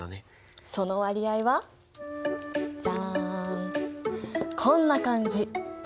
その割合はじゃん！こんな感じ。